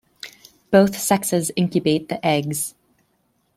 Both sexes incubate the eggs.